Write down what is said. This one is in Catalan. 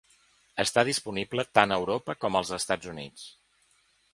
Està disponible tant a Europa com als Estats Units.